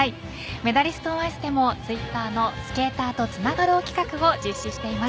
メダリスト・オン・アイスでもツイッターのスケーターとつながろう企画を実施しています。